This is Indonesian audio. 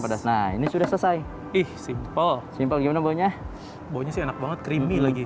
pedas nah ini sudah selesai ih simpel simpel gimana baunya baunya sih enak banget creamy lagi